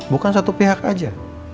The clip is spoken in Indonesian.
bukan satu pihak aja